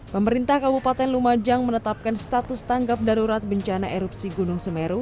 pemerintah kabupaten lumajang menetapkan status tanggap darurat bencana erupsi gunung semeru